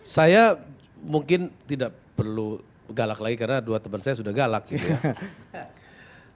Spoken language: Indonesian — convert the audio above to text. saya mungkin tidak perlu galak lagi karena dua teman saya sudah galak gitu ya